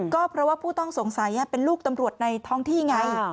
ก็เพราะว่าผู้ต้องสงสัยเป็นลูกตำรวจในท้องที่ไง